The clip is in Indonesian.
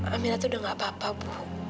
amira tuh udah gak apa apa ibu